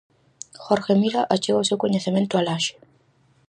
Jorge Mira achega o seu coñecemento a Laxe.